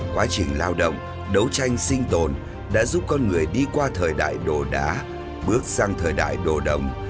quá trình lao động đấu tranh sinh tồn đã giúp con người đi qua thời đại đồ đá bước sang thời đại đồ đồng